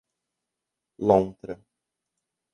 Lontra